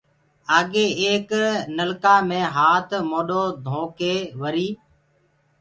آگي ايڪ نلڪآ مي هآت موڏو ڌوڪي وريٚ